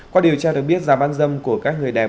qua điều tra được biết giá bán dâm của các người đẹp